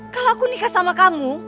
kalau aku nikah sama kamu